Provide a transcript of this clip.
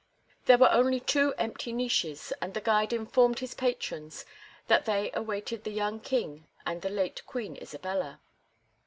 There were only two empty niches, and the guide informed his patrons that they awaited the young king and the late Queen Isabella.